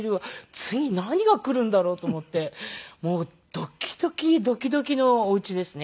次何が来るんだろうと思ってもうドキドキドキドキのお家ですね。